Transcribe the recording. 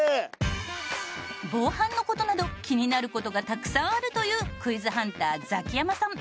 防犯の事など気になる事がたくさんあるというクイズハンターザキヤマさん。